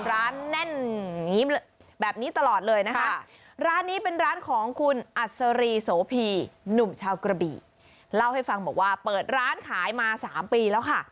ร้านแน่นแบบนี้ตลอดเลยนะคะร้านนี้เป็นร้านของคุณอัศรีโสพีหนุ่มชาวกระบี่เล่าให้ฟังบอกว่าเปิดร้านขายมา๓ปีแล้วค่ะ